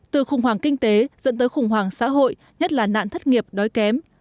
từ khủng hoảng kinh tế dẫn tới khủng hoảng xã hội nhất là nạn thất nghiệp đói kém